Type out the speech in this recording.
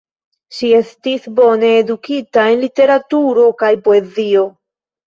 Ŝi estis bone edukita en literaturo kaj poezio.